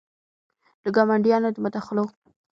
د ګاونډیانو د مداخلو